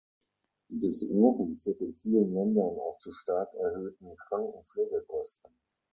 Das Rauchen führt in vielen Ländern auch zu stark erhöhten Krankenpflegekosten.